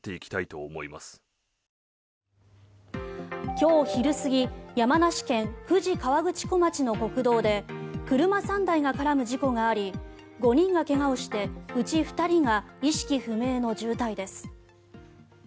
今日昼過ぎ山梨県富士河口湖町の国道で車３台が絡む事故があり５人が怪我をしてうち２人が意識不明の重体です。